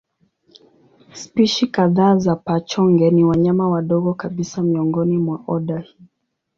Spishi kadhaa za paa-chonge ni wanyama wadogo kabisa miongoni mwa oda hii.